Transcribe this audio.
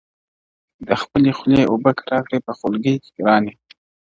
• د خپلي خولې اوبه كه راكړې په خولگۍ كي گراني .